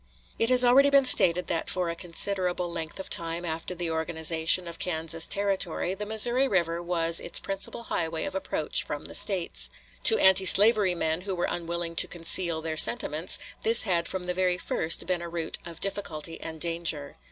It has already been stated that for a considerable length of time after the organization of Kansas Territory the Missouri River was its principal highway of approach from the States. To anti slavery men who were unwilling to conceal their sentiments, this had from the very first been a route of difficulty and danger.